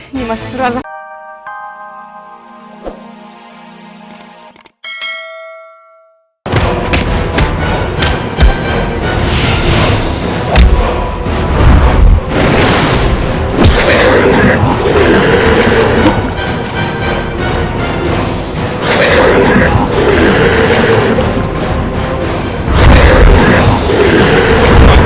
ini mas rara santang